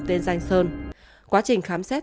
tên danh sơn quá trình khám xét